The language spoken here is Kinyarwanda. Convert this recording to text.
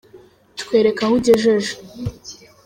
Twereke aho ugejeje